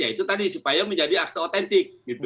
ya itu tadi supaya menjadi akte otentik